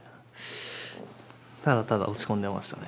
ただただ落ち込んでましたね。